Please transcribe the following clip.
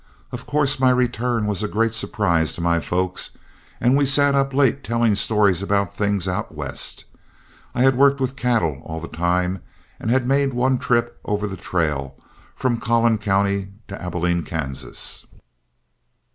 Of course my return was a great surprise to my folks, and we sat up late telling stories about things out West. I had worked with cattle all the time, and had made one trip over the trail from Collin County to Abilene, Kansas.